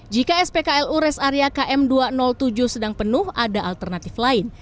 jika spklu res area km dua ratus tujuh sedang penuh ada alternatif lain